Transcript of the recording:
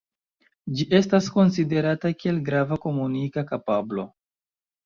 Ĝi estas konsiderata kiel grava komunika kapablo.